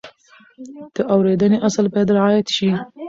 د اورېدنې اصل باید رعایت شي.